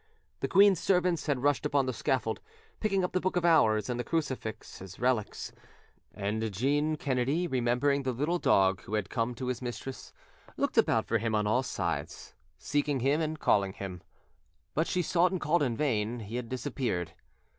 The queen's servants had rushed upon the scaffold, picking up the book of Hours and the crucifix as relics; and Jeanne Kennedy, remembering the little dog who had come to his mistress, looked about for him on all sides, seeking him and calling him, but she sought and called in vain. He had disappeared.